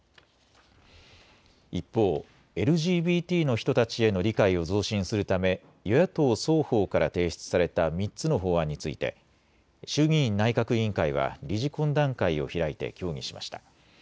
一方、ＬＧＢＴの人たちへの理解を増進するため与野党双方から提出された３つの法案について衆議院内閣委員会は理事懇談会を開いて協議しました。